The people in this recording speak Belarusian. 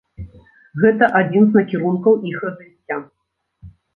Гэта адзін з накірункаў іх развіцця.